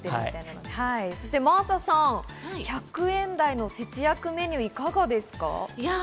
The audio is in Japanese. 真麻さん、１００円台の節約メニュー、いかがですか？